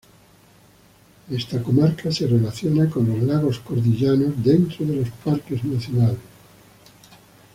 En esta "comarca" se relaciona con los lagos cordilleranos dentro de los Parques Nacionales.